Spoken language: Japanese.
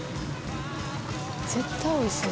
絶対おいしい。